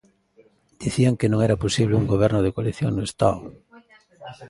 Dicían que non era posible un goberno de coalición no Estado.